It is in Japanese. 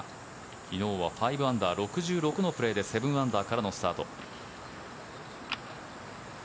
昨日は５アンダー６６のプレーで７アンダーからのスタート。